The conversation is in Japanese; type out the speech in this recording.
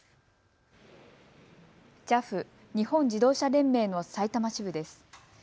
ＪＡＦ・日本自動車連盟の埼玉支部です。